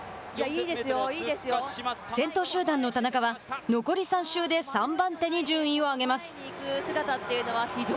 先頭集団の田中は、残り３周で３番手に順位を上げます。